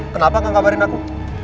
kenapa gak kabarin aku